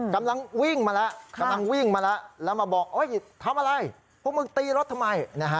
กำลังวิ่งมาแล้วแล้วมาบอกทำอะไรพวกมึงตีรถทำไม